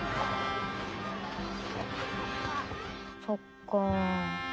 そっか。